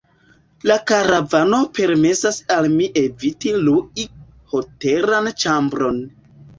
La karavano permesas al mi eviti lui hotelan ĉambron.